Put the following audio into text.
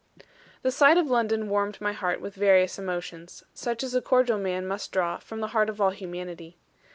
The sight of London warmed my heart with various emotions, such as a cordial man must draw from the heart of all humanity.